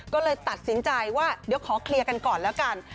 ก็เลยตัดสินใจว่าเดี๋ยวขอเคลียร์กันก่อนแล้วกัน